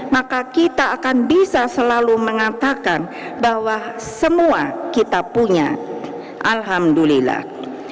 maka kita akan bisa selalu mengatakan bahwa semua kita punya alhamdulillah